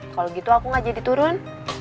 kalau gitu aku gak jadi turun